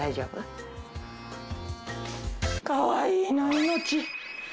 かわいいな。